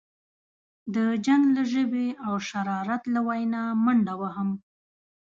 د جنګ له ژبې او شرارت له وینا منډه وهم.